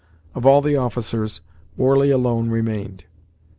Of all the officers, Warley alone remained.